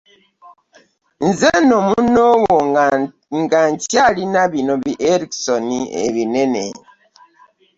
Nze nno munnoowo nga nkyalina bino bi Erikson ebinene.